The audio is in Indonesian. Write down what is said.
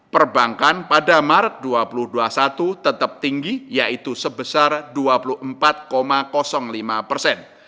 perbankan pada maret dua ribu dua puluh satu tetap tinggi yaitu sebesar dua puluh empat lima persen